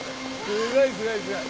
すごいすごいすごい。